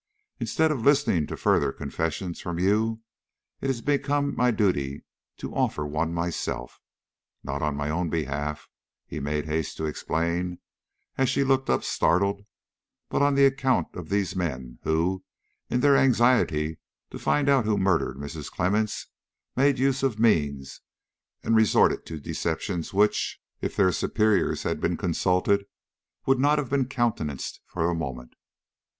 Instead of listening to further confessions from you, it has become my duty to offer one myself. Not on my own behalf," he made haste to explain, as she looked up, startled, "but on account of these men, who, in their anxiety to find out who murdered Mrs. Clemmens, made use of means and resorted to deceptions which, if their superiors had been consulted, would not have been countenanced for a moment."